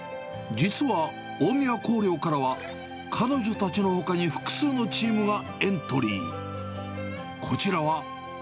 実は、大宮光陵からは彼女たちのほかに複数のチームがエントリー。